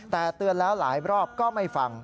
แต่เตือนแล้วหลายรอบก็ไม่ฟัง